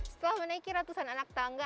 setelah menaiki ratusan anak tangga